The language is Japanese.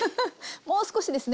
もう少しですね。